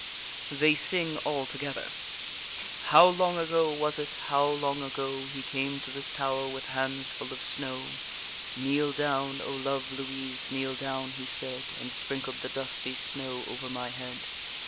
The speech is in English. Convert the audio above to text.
_ They sing all together. How long ago was it, how long ago, He came to this tower with hands full of snow? Kneel down, O love Louise, kneel down! he said, And sprinkled the dusty snow over my head.